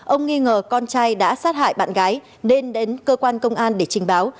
ông nghi ngờ con trai đã sát hại bạn gái nên đến cơ quan công an để trình báo